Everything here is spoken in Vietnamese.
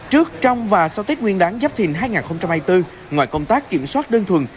trước trong và sau tết nguyên đáng giáp thìn hai nghìn hai mươi bốn ngoài công tác kiểm soát đơn thuần